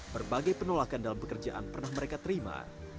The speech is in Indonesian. berbagai penolakan dalam pekerjaan pernah mereka terima